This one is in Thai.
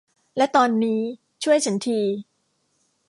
และตอนนี้ช่วยฉันที